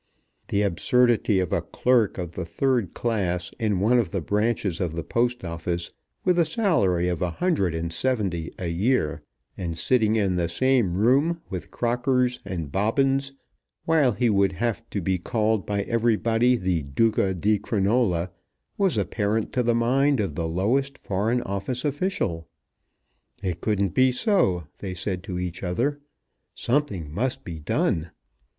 The absurdity of a clerk of the third class in one of the branches of the Post Office, with a salary of a hundred and seventy a year, and sitting in the same room with Crockers and Bobbins while he would have to be called by everybody the Duca di Crinola, was apparent to the mind of the lowest Foreign Office official. It couldn't be so, they said to each other. Something must be done.